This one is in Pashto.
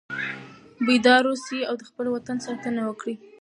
بیدار اوسئ او د خپل وطن ساتنه وکړئ.